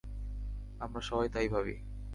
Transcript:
আমরা সবাই তাই ভাবি।